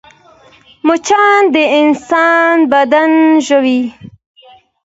مچان د انسان بدن ژوي